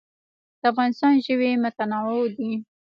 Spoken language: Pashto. د افغانستان ژوي متنوع دي